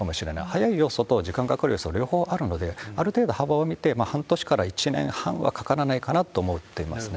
早い要素と、時間がかかる要素、両方あるので、ある程度幅を見て、半年から１年半はかからないかなと思っていますね。